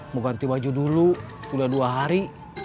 mau ganti baju dulu udah dua hari